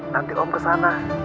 nanti om kesana